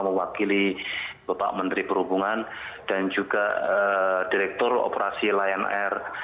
mewakili bapak menteri perhubungan dan juga direktur operasi lion air